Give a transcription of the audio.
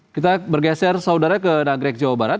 kita bergeser saudara ke nagrek jawa barat